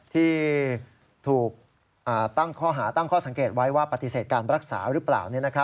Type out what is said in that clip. ที่ถูกตั้งข้อหาตั้งข้อสังเกตไว้ว่าปฏิเสธการรักษาหรือเปล่า